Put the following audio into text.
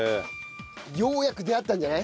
ようやく出会ったんじゃない？